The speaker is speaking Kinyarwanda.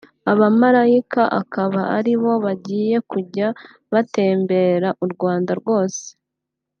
abamarayika akaba ari bo bagiye kujya batembera u Rwanda rwose